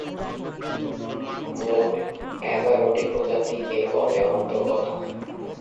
মোট এগারটি প্রজাতি এ গণের অন্তর্গত।